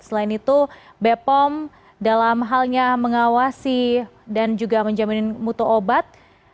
selain itu bepom dalam halnya mengawasi dan juga menjamin mutu obat